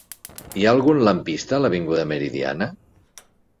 Hi ha algun lampista a l'avinguda Meridiana?